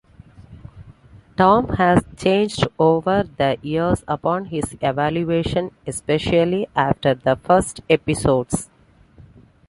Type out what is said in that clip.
Tom has changed over the years upon his evolution, especially after the first episodes.